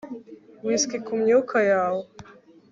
whisky kumyuka yawe